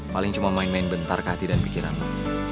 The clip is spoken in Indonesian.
paling cuma main main bentar ke hati dan pikiran lo